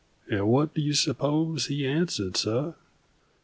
And what do you suppose he answered, suh?